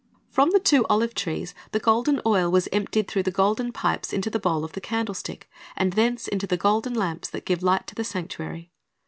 "' From the two olive trees the golden oil was emptied through the golden pipes into. the bowl of the candlestick, and thence into the golden lamps that gave light to the sanctuary.